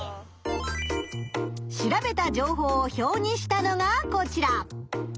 調べた情報を表にしたのがこちら。